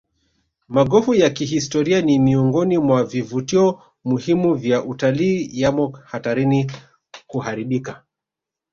Magofu ya kihistoria ni miongoni mwa vivutio muhimu vya utalii yamo hatarini kuharibika